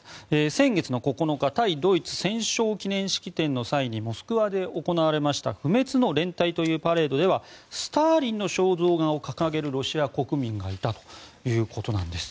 先月９日対ドイツ戦勝記念日の際にモスクワで行われました不滅の連隊というパレードではスターリンの肖像画を掲げるロシア国民がいたということなんです。